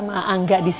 jangan jahit ya